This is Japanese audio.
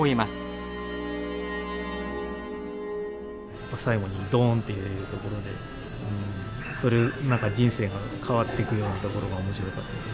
やっぱ最後に「ドーン」っていうところでそういう何か人生が変わっていくようなところが面白かったですね。